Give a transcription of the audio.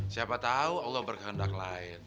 siapa tahu allah berkehendak lain